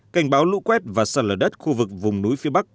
cảnh báo lũ quét và sạt lở đất khu vực vùng núi phía bắc